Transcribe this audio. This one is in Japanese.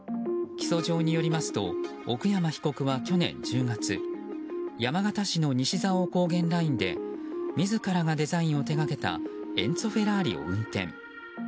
起訴状によりますと奥山被告は去年１０月山形市の西蔵王高原ラインで自らがデザインを手がけたエンツォ・フェラーリを運転。